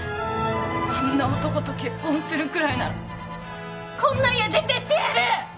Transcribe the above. あんな男と結婚するくらいならこんな家出てってやる！